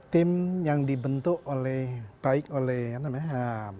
tim yang dibentuk oleh baik oleh namanya